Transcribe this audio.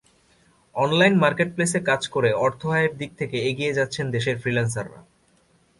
Online মার্কেটপ্লেসে কাজ করে অর্থ আয়ের দিক থেকে এগিয়ে যাচ্ছেন দেশের ফ্রিল্যান্সাররা।